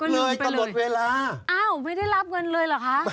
เลยก็หมดเวลาอ้าวไม่ได้รับเงินเลยเหรอคะ